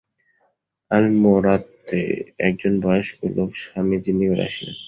আলমোড়াতে একজন বয়স্ক লোক স্বামীজীর নিকট আসিলেন।